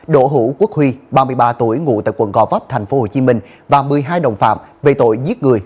đỗ hữu quốc huy ba mươi ba tuổi ngụ tại quận gò vấp tp hcm và một mươi hai đồng phạm về tội giết người